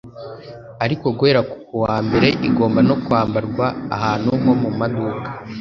ariko guhera kuwa mbere igomba no kwambarwa ahantu nko mumaduka